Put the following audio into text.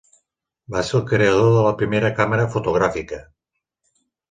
Va ser el creador de la primera càmera fotogràfica.